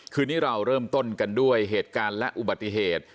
คืนนี้เราเริ่มต้นกันด้วยเหตุการณ์และอุบัติเหตุ